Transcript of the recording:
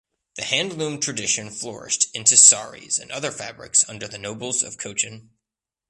The handloom tradition flourished into sarees and other fabrics under the nobles of Cochin.